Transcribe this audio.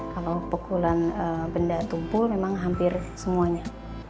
kalau pukulan benda tumpul memang hampir semuanya